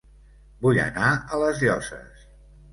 Vull anar a Les Llosses